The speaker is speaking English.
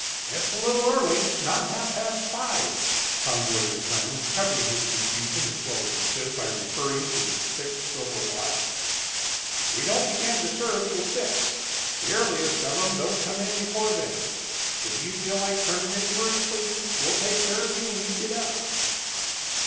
"It's a little early not half past five," Conboy returned, covering his confusion as well as he could by referring to his thick silver watch. "We don't begin to serve till six, the earliest of 'em don't come in before then. If you feel like turnin' in for a sleep, we'll take care of you when you get up."